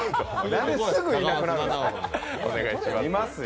何ですぐいなくなるの、いますよ！